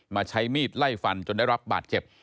ใช้มีดไล่ฟันจนได้รับบาดเจ็บ